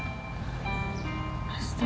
jangan kamu coba coba pengaruh mereka